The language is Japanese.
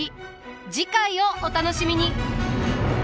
次回をお楽しみに。